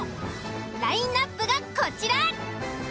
ラインアップがこちら。